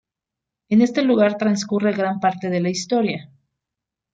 En este lugar transcurre gran parte de la historia.